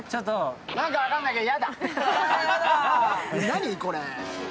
何、これ。